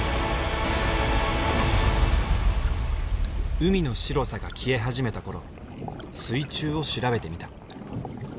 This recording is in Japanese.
海の白さが消え始めた頃水中を調べてみた。